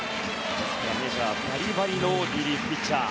メジャー、バリバリのリリーフピッチャー。